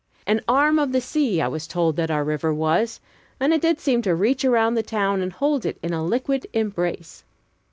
An "arm of the sea" I was told that our river was, and it did seem to reach around the town and hold it in a liquid embrace.